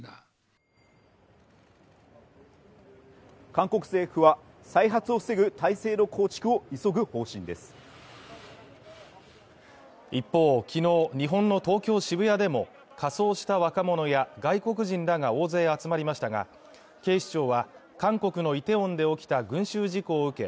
韓国政府は再発を防ぐ体制の構築を急ぐ方針です一方きのう日本の東京・渋谷でも仮装した若者や外国人らが大勢集まりましたが警視庁は韓国のイテウォンで起きた群集事故を受け